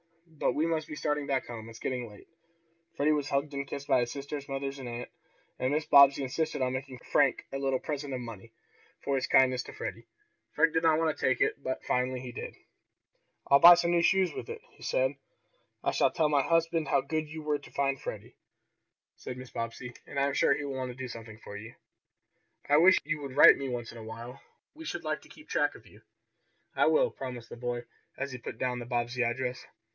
But we must be starting back home. It's getting late." Freddie was hugged and kissed by his sisters, mother and aunt, and Mrs. Bobbsey insisted on making Frank a little present of money, for his kindness to Freddie. Frank did not want to take it, but finally he did. "I'll buy some new shoes with it," he said. "I shall tell my husband how good you were to find Freddie," said Mrs. Bobbsey, "and I am sure he will want to do something for you. I wish you would write to me once in a while. We should like to keep track of you." "I will," promised the boy, as he put down the Bobbsey address.